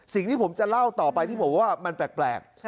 สิ่งที่ผมจะเล่าต่อไปที่ผมว่ามันแปลก